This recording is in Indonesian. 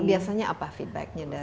biasanya apa feedbacknya dari